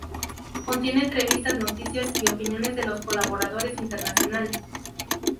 Contiene entrevistas, noticias y opiniones de los colaboradores internacionales.